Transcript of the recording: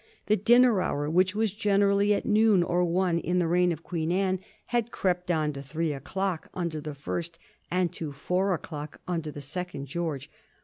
The dinner hour, which was generally at noon or one in the reign of Queen Anne, had crept on to three o'clock under the first, and to four o'clock under the second George.